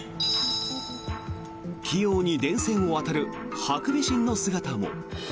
器用に電線を渡るハクビシンの姿も。